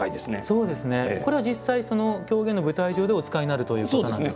これは実際狂言の舞台上でお使いになるということなんですか？